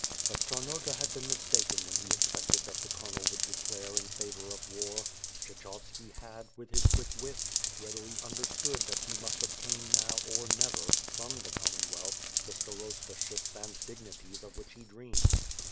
But Charnota had been mistaken when he expected that the colonel would declare in favor of war. Kshechovski had, with his quick wit, readily understood that he must obtain now ot* never, from the Commonwealth, the starostships and dignities of which he dreamed.